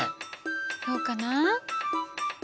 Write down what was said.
どうかな？